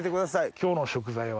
今日の食材は。